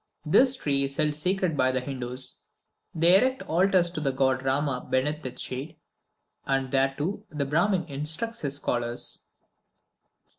This tree is held sacred by the Hindoos. They erect altars to the god Rama beneath its shade, and there, too, the Brahmin instructs his scholars.